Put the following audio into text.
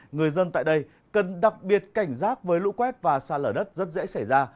người dân tại đây cần đặc biệt cảnh giác với lũ quét và xa lở đất rất dễ xảy ra